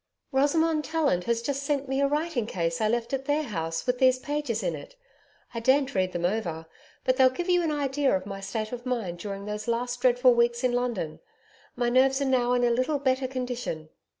'Rosamond Tallant has just sent me a writing case I left at their house with these pages in it. I daren't read them over, but they'll give you an idea of my state of mind during those last dreadful weeks in London. My nerves are now in a little better condition.